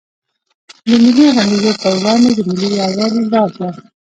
د ملي غمیزو پر وړاندې د ملي یوالي لار ده.